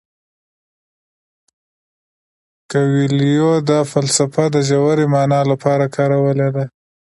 کویلیو دا فلسفه د ژورې مانا لپاره کارولې ده.